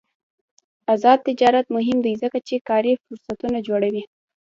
آزاد تجارت مهم دی ځکه چې کاري فرصتونه جوړوي.